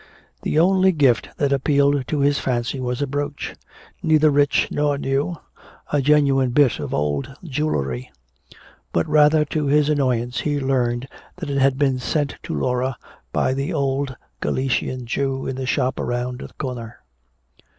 The only gift that appealed to his fancy was a brooch, neither rich nor new, a genuine bit of old jewelry. But rather to his annoyance he learned that it had been sent to Laura by the old Galician Jew in the shop around the corner.